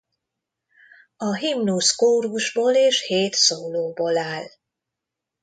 A himnusz kórusból és hét szólóból áll.